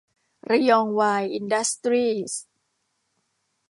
ระยองไวร์ อินดัสตรีส์